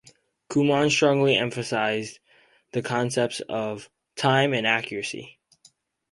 Kumon strongly emphasised the concepts of "time" and "accuracy".